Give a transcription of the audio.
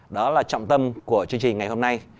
đó là trọng tâm của chương trình ngày hôm nay